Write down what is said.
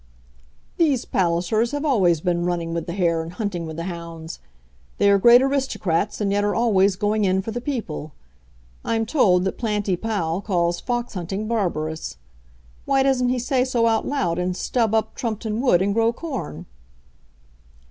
"These Pallisers have always been running with the hare and hunting with the hounds. They are great aristocrats, and yet are always going in for the people. I'm told that Planty Pall calls fox hunting barbarous. Why doesn't he say so out loud, and stub up Trumpeton Wood and grow corn?"